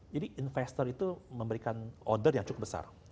jadi investor itu memberikan order yang cukup besar